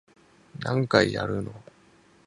何回やるの